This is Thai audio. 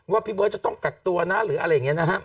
พี่เบิร์ตจะต้องกักตัวนะหรืออะไรอย่างนี้นะฮะ